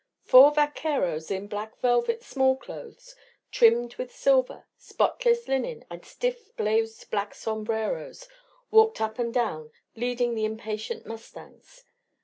Four vaqueros in black velvet small clothes trimmed with silver, spotless linen, and stiff glazed black sombreros, walked up and down, leading the impatient mustangs.